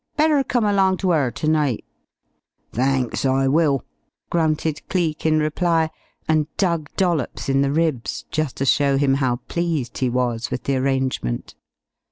Better come along to 'er ternight." "Thanks, I will," grunted Cleek in reply, and dug Dollops in the ribs, just to show him how pleased he was with the arrangement.